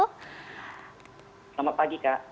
selamat pagi kak